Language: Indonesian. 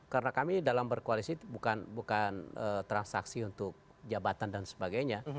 karena kami dalam berkoalisi bukan transaksi untuk jabatan dan sebagainya